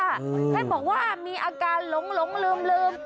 ท่านบอกว่ามีอาการหลงลืม